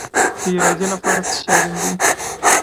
د ارادې لپاره څه شی اړین دی؟